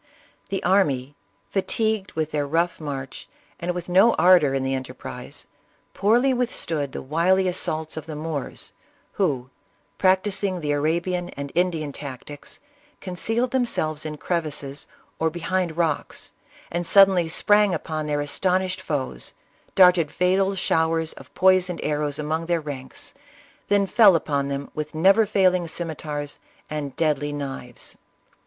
The army, fatigued with their rough march, and with no ardor in the enterprise, poorly withstood the wily assaults of the Moors, who, practising the Arabian and Indian tactics, concealed themselves in crevices or behind rocks, and suddenly sprang upon their astonished foes, darted fatal showers of poisoned arrows among their ranks, then fell upon them with never failing scimeters and deadly knives.